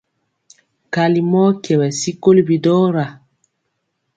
Kali mɔ kyɛwɛ sikoli bidɔra.